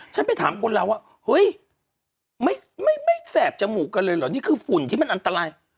ไปถามคนเราว่าเฮ้ยไม่แสบจมูกกันเลยเหรอนี่คือฝุ่นที่มันอันตราย